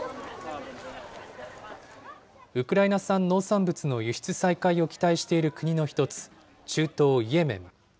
ウクライナ産農産物の輸出再開を期待している国の一つ、中東イエメン。